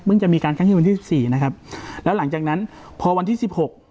เพิ่งจะมีการค้างคืนวันที่สี่นะครับแล้วหลังจากนั้นพอวันที่สิบหก